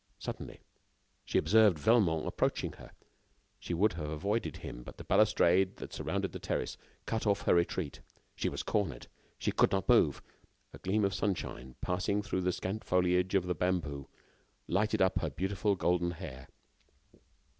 Suddenly, she observed Velmont approaching her. She would have avoided him, but the balustrade that surrounded the terrace cut off her retreat. She was cornered. She could not move. A gleam of sunshine, passing through the scant foliage of a bamboo, lighted up her beautiful golden hair.